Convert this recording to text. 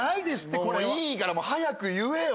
もういいから早く言えよ。